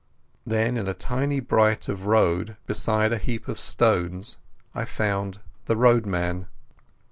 Then in a tiny bight of road, beside a heap of stones, I found the roadman.